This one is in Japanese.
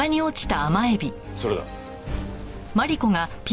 それだ。